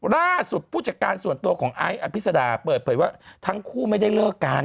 ผู้จัดการส่วนตัวของไอซ์อภิษดาเปิดเผยว่าทั้งคู่ไม่ได้เลิกกัน